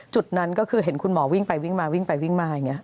จุดนั้นก็คือเห็นคุณหมอวิ่งไปวิ่งมาวิ่งไปวิ่งมาอย่างนี้